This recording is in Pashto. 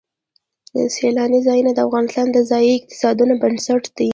سیلانی ځایونه د افغانستان د ځایي اقتصادونو بنسټ دی.